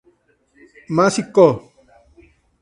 Macy Co.